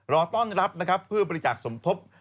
รอต้อนรับนะครับเพื่อบริจาคสมทบ